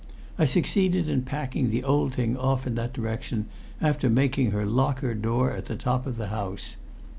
I succeeded in packing the old thing off in that direction, after making her lock her door at the top of the house.